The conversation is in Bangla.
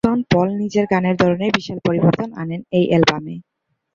সন পল নিজের গানের ধরনে বিশাল পরিবর্তন আনেন এই অ্যালবামে।